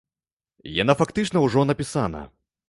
Яна фактычна ўжо напісана.